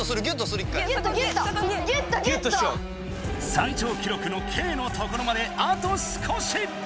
最長記録のケイのところまであと少し！